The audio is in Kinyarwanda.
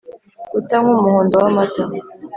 tukanywa umuhondo.wamata